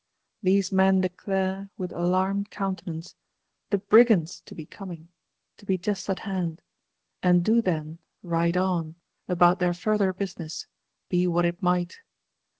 These men declare, with alarmed countenance, The BRIGANDS to be coming, to be just at hand; and do then—ride on, about their further business, be what it might!